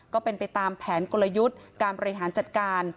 ก็เป็นไปตามแผนกลยุทธ์การบริหารจัดการ